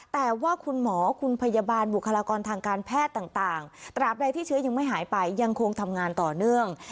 แต่ว่าคุณหมอคุณพยาบาลบุคลากรทางการแพทย์ต่างตราบใดที่เชื้อยังไม่หายไปยังคงทำงานต่อเนื่อง